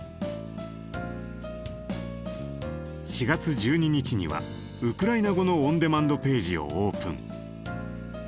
４月１２日にはウクライナ語のオンデマンドページをオープン。